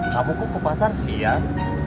kamu kok ke pasar siang